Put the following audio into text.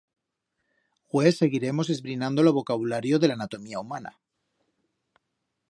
Hue seguiremos esbrinando lo vocabulario de l'anatomía humana.